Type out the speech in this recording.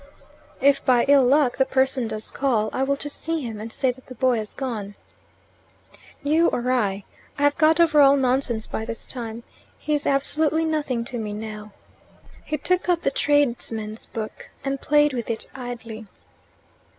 "If, by ill luck, the person does call. I will just see him and say that the boy has gone." "You, or I. I have got over all nonsense by this time. He's absolutely nothing to me now." He took up the tradesman's book and played with it idly.